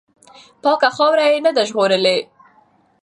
پاکه خاوره یې نه ده وژغورلې.